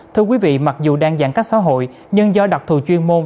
thưa quý vị mặc dù đang giãn cách xã hội nhưng do đặc thù chuyên môn